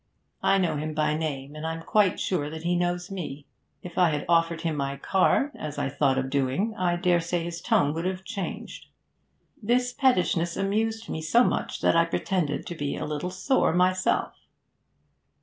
I know him by name, and I'm quite sure that he knows me. If I had offered him my card, as I thought of doing, I dare say his tone would have changed.' This pettishness amused me so much that I pretended to be a little sore myself.